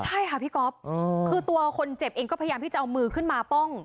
ใช่ค่ะพี่ก๊อฟคือตัวคนเจ็บเองก็พยายามที่จะเอามือขึ้นมาป้อง